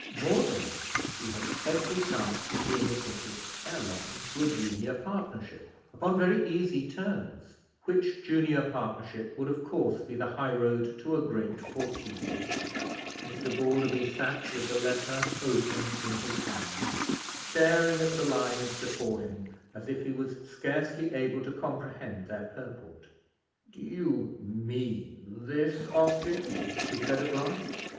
More than this, he had every chance of being admitted ere long to a junior partnership upon very easy terms, which junior partnership would of course be the high road to a great fortune. Mr. Balderby sat with the letter open in his hands, staring at the lines before him as if he was scarcely able to comprehend their purport. "Do you mean this, Austin?" he said at last.